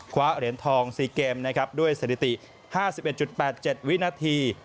คว้าเหรียญทอง๔เกมนะครับด้วยสถิติ๕๑๘๗วินาที